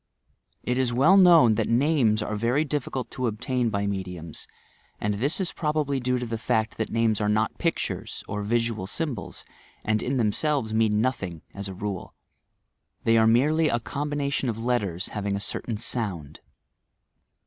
It is well known that names are very difficult to obtain by me diums, and this is probably due to the fact that names are not pictures, or visual symbols, and in themselves mean nothing, as a rule. They are merely a combina tion of letters, having a certain sound.